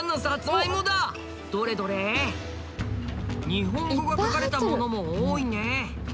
日本語が書かれたものも多いね。